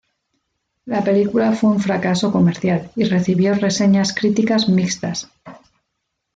La película fue un fracaso comercial y recibió reseñas críticas mixtas.